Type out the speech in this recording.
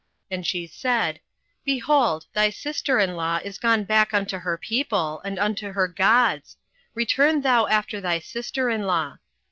08:001:015 And she said, Behold, thy sister in law is gone back unto her people, and unto her gods: return thou after thy sister in law.